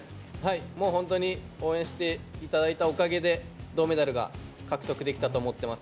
もう本当に応援していただいたおかげで、銅メダルが獲得できたと思ってます。